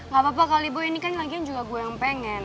gak apa apa kali bu ini kan lagian juga gue yang pengen